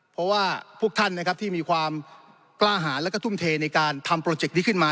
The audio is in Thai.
เพราะว่าพวกท่านนะครับที่มีความกล้าหาแล้วก็ทุ่มเทในการทำโปรเจกต์นี้ขึ้นมา